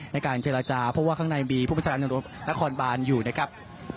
ในการเจรจาเพราะว่าข้างในมีผู้บัญชาการตำรวจนครบานอยู่นะครับ